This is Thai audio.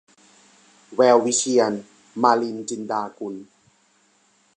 แวววิเชียร - มาลิน จินดากุล